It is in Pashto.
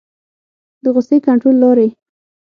د غصې کنټرول لارې